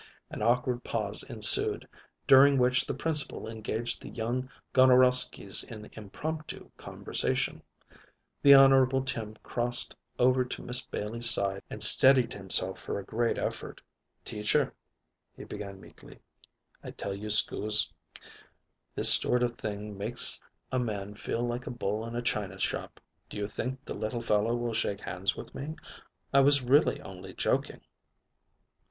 An awkward pause ensued, during which the Principal engaged the young Gonorowskys in impromptu conversation. The Honorable Tim crossed over to Miss Bailey's side and steadied himself for a great effort. "Teacher," he began meekly, "I tells you 'scuse. This sort of thing makes a man feel like a bull in a china shop. Do you think the little fellow will shake hands with me? I was really only joking."